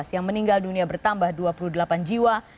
yang meninggal dunia bertambah dua puluh delapan jiwa